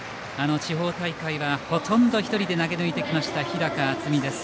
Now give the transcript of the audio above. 地方大会は、ほとんど１人で投げ抜いてきました日高暖己です。